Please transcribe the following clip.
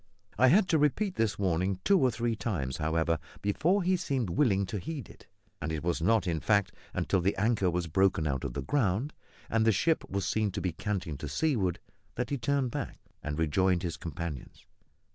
I had to repeat this warning two or three times, however, before he seemed willing to heed it; and it was not in fact until the anchor was broken out of the ground and the ship was seen to be canting to seaward that he turned back and rejoined his companions.